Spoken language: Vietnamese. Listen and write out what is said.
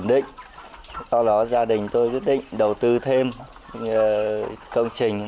mỗi năm xuất ra thị trường được trung bình một mươi hai một mươi ba tấn trong một năm